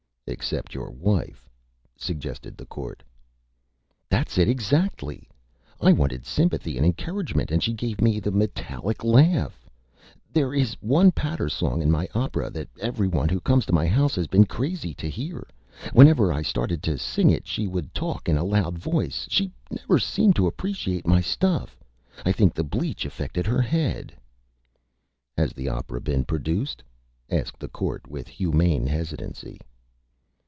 "Except your Wife," suggested the Court. "That's it, exactly. I wanted Sympathy and Encouragement and she gave me the Metallic Laugh. There is one Patter Song in my Opera that Every One who comes to my House has been Crazy to hear. Whenever I started to Sing it she would talk in a loud Voice. She never seemed to Appreciate my Stuff. I think the Bleach affected her Head." "Has the Opera been produced?" asked the Court, with Humane Hesitancy.